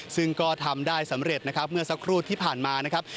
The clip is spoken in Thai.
ซึ่งก็ทำได้สำเร็จนะครับเมื่อสักครู่ที่ผ่านมานะครับ